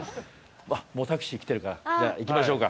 もうタクシー来てるからじゃ行きましょうか。